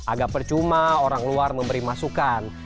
agak percuma orang luar memberi masukan